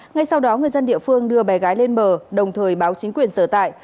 ngay sau đó người dân địa phương đưa bé gái lên bờ đồng thời báo chính quyền sở tại